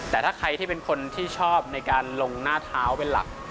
แต่ถ้าใครที่เป็นคนที่ชอบในการลงหน้าเท้าเป็นหลัก